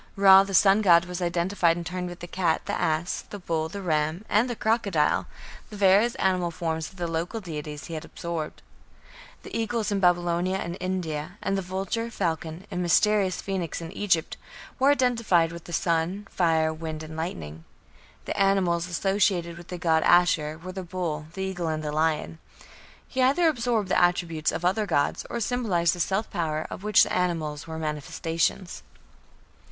Ra, the sun god, was identified in turn with the cat, the ass, the bull, the ram, and the crocodile, the various animal forms of the local deities he had absorbed. The eagle in Babylonia and India, and the vulture, falcon, and mysterious Phoenix in Egypt, were identified with the sun, fire, wind, and lightning. The animals associated with the god Ashur were the bull, the eagle, and the lion. He either absorbed the attributes of other gods, or symbolized the "Self Power" of which the animals were manifestations.